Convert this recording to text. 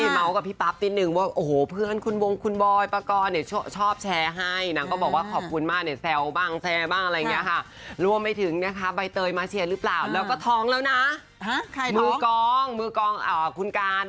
มือกองคุณการนะคะ